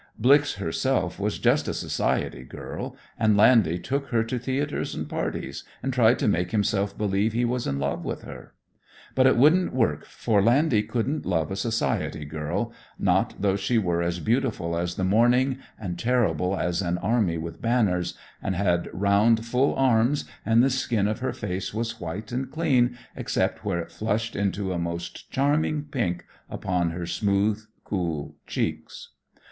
"Blix" herself was just a society girl, and "Landy" took her to theatres and parties and tried to make himself believe he was in love with her. But it wouldn't work, for "Landy" couldn't love a society girl, not though she were as beautiful as the morning and terrible as an army with banners, and had "round full arms," and "the skin of her face was white and clean, except where it flushed into a most charming pink upon her smooth, cool cheeks."